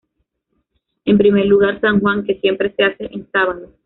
En primer lugar, San Juan, que siempre se hace en sábado.